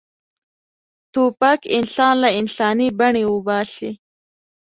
توپک انسان له انساني بڼې وباسي.